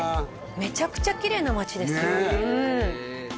めちゃくちゃきれいな街ですねえ